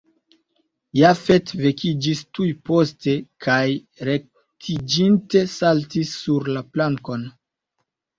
Jafet vekiĝis tuj poste kaj rektiĝinte saltis sur la plankon.